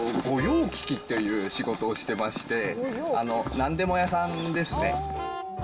御用聞きっていう仕事をしてまして、なんでも屋さんですね。